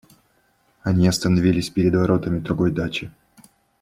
Они остановились перед воротами другой дачи.